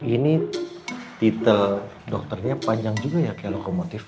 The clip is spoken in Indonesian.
ini titel dokternya panjang juga ya kayak lokomotif